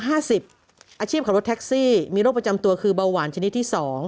อาชีพขับรถแท็กซี่มีโรคประจำตัวคือเบาหวานชนิดที่๒